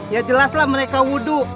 ya jelaslah mereka wudhu